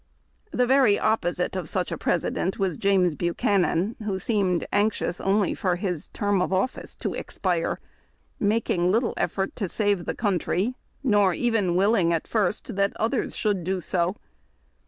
The very opposite of such a President was James Bu chanan, who seemed anxious only for his term of office to expire, making little effort to save the country, nor even willing, at first, that others should do so.